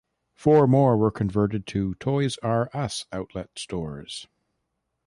Four more were converted to Toys "R" Us outlet stores.